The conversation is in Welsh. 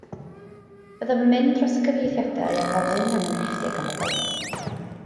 Byddaf yn mynd dros y cyfieithiadau a gofyn am enghreifftiau gan bobl.